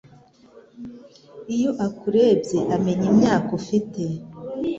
iyo akurebye amenya imyaka ufite